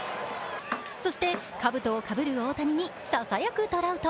そして、かぶとをかぶる大谷にささやくトラウト。